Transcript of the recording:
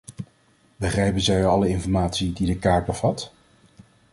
Begrijpen zij alle informatie die de kaart bevat?